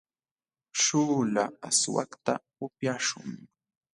śhuula aswakta upyaśhun.